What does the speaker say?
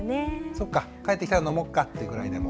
そっか帰ってきたら飲もっかっていうぐらいでも。